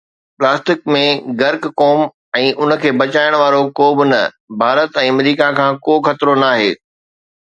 Plastic ۾ غرق قوم ۽ ان کي بچائڻ وارو ڪو به نه، ڀارت ۽ آمريڪا کان ڪو خطرو ناهي.